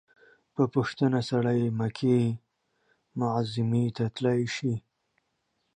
په پوښتنه سړى مکې معظمې ته تلاى سي.